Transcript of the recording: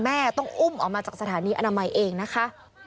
ต้องอุ้มออกมาจากสถานีอนามัยเองนะคะ